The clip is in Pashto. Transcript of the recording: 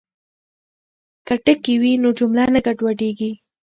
که ټکي وي نو جمله نه ګډوډیږي.